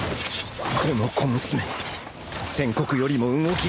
この小娘先刻よりも動きが速い